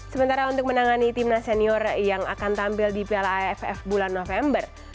sementara untuk menangani timnas senior yang akan tampil di piala aff bulan november